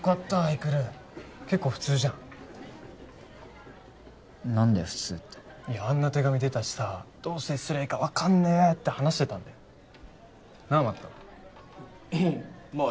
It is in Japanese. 育結構普通じゃん何だよ普通っていやあんな手紙出たしさどう接すりゃいいか分かんねえって話してたんだよなあ